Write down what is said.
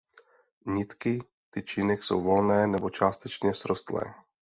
Nitky tyčinek jsou volné nebo částečně srostlé.